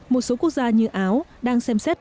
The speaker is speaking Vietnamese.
một số quốc gia như áo đang xem xét